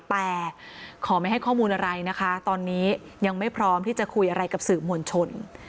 แต่ขอไม่ให้ข้อมูลอะไรนะคะตอนนี้ยังไม่พร้อมที่จะคุยอะไรกับสื่อมวลชน